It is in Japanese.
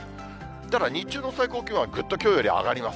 ただ、日中の最高気温はぐっときょうより上がります。